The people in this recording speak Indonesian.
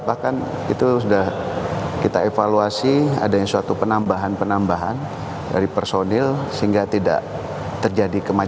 bahkan itu sudah kita evaluasi adanya suatu penambahan penambahan dari personil sehingga tidak terjadi kemacetan